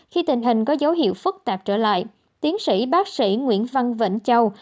khi tình hình có dấu hiệu phức tạp trở lại tiến sĩ bác sĩ nguyễn văn vĩnh châu